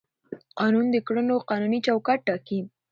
قانون د کړنو قانوني چوکاټ ټاکي.